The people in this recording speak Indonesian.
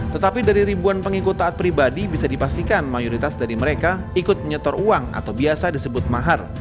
tetapi dari ribuan pengikut taat pribadi bisa dipastikan mayoritas dari mereka ikut menyetor uang atau biasa disebut mahar